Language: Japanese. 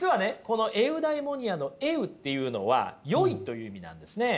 この「エウダイモニア」の「エウ」っていうのは善いという意味なんですね。